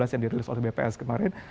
yang dirilis oleh bps kemarin